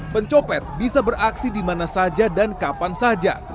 pencopet bisa beraksi di mana saja dan kapan saja